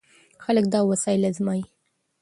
خلک دا وسایل ازمويي.